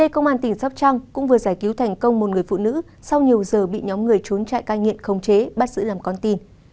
công an tỉnh sóc trăng cũng vừa giải cứu thành công một người phụ nữ sau nhiều giờ bị nhóm người trốn trại cai nghiện khống chế bắt giữ làm con tin